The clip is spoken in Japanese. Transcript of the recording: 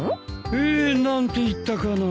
えっ何て言ったかなあ。